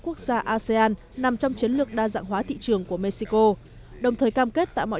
quốc gia asean nằm trong chiến lược đa dạng hóa thị trường của mexico đồng thời cam kết tạo mọi